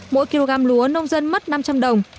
mỗi kg lúa nông dân mất năm trăm linh đồng